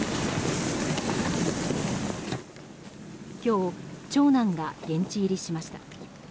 今日、長男が現地入りしました。